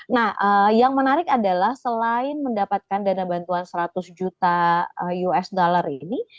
nah yang menarik adalah selain mendapatkan dana bantuan seratus juta usd ini